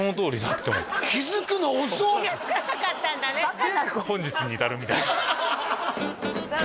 バカなので本日に至るみたいなさあ